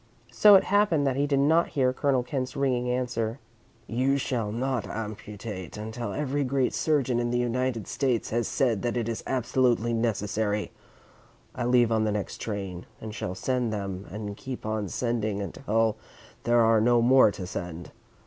So it happened that he did not hear Colonel Kent's ringing answer: "You shall not amputate until every great surgeon in the United States has said that it is absolutely necessary. I leave on the next train, and shall send them and keep on sending until there are no more to send.